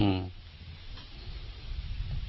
อือ